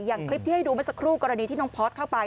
อย่างคลิปที่ให้ดูเมื่อสักครู่กรณีที่น้องพอร์ตเข้าไป